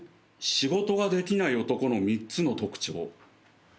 「仕事ができない男の３つの特徴」